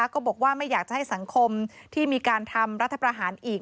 ก็บอกว่าไม่อยากจะให้สังคมที่มีการทำรัฐประหารอีก